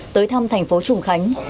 tới thăm thành phố trùng khánh